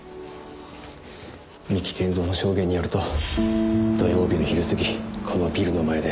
三木賢三の証言によると土曜日の昼過ぎこのビルの前で偶然。